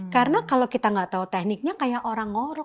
karena kalau kita gak tahu tekniknya kayak orang ngorok